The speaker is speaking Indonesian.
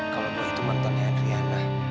kalau boy itu mantan adreana